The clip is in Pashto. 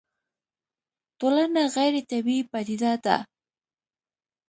ټولنه غيري طبيعي پديده ده